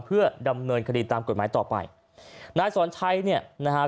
เพื่อดำเนินคดีตามกฎหมายต่อไปนายสอนชัยเนี่ยนะฮะ